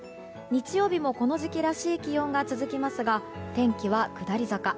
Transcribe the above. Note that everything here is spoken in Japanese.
日曜日もこの時期らしい気温が続きますが天気は下り坂。